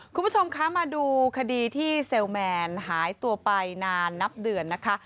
คุณผู้ชมคะมาดูคดีที่เซลแมนหายตัวไปนานนับเดือนนะคะ